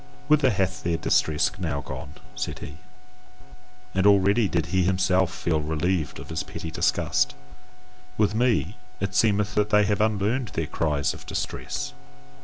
"Whither hath their distress now gone?" said he, and already did he himself feel relieved of his petty disgust "with me, it seemeth that they have unlearned their cries of distress!